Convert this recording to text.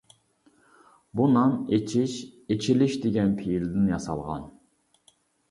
بۇ نام «ئېچىش، ئېچىلىش» دېگەن پېئىلدىن ياسالغان.